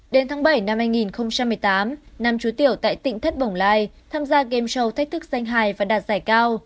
đến tháng bảy năm hai nghìn một mươi tám năm chú tiểu tại tỉnh thất bồng lai tham gia game show thách thức giải đấu